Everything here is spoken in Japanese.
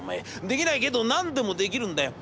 できないけど何でもできるんだよ。